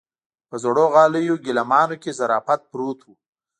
په زړو غاليو ګيلمانو کې ظرافت پروت و.